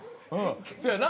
そやな。